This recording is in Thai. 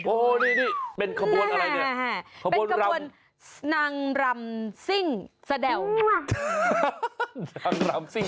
โอ้โหนี่นี่เป็นขบวนอะไรเนี่ย